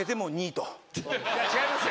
違いますよ。